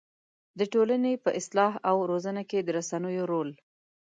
د ټولنې په اصلاح او روزنه کې د رسنيو رول